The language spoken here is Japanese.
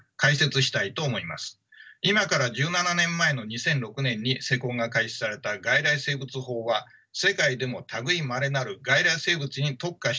今から１７年前の２００６年に施行が開始された外来生物法は世界でも類いまれなる外来生物に特化した国の法律です。